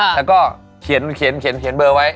แล้วก็เขียนเขียนเขียนเบอร์ไว้